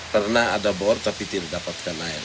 pernah ada bor tapi tidak dapatkan air